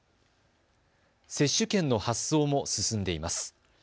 接種券の発送も進んでいます。